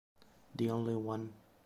The Only One